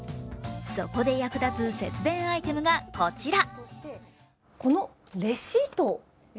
そこで役立つ節電アイテムがこちら。